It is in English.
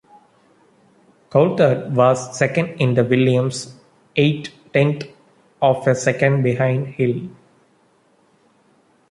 Coulthard was second in the Williams, eight-tenths of a second behind Hill.